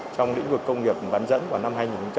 trong lĩnh vực công nghiệp bán dẫn vào năm hai nghìn ba mươi